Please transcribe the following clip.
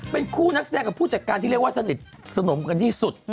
เป็นคู่นักแสดงกับผู้จัดการที่เรียกว่าสนิทสนมกันที่สุด